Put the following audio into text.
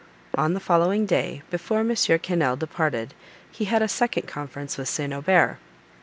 On the following day, before M. Quesnel departed, he had a second conference with St. Aubert.